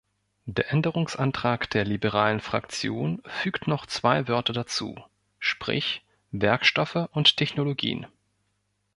Der Änderungsantrag der Liberalen Fraktion fügt noch zwei Wörter dazu, sprich Werkstoffe und Technologien.